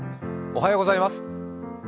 おはようございます。